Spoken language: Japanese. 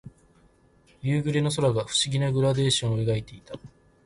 夕暮れの空が不思議なグラデーションを描いていた。